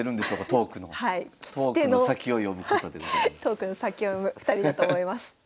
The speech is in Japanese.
トークの先を読む２人だと思います。